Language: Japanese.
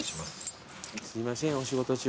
すいませんお仕事中。